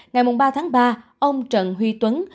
ngày ba tháng ba ông trần huy tuấn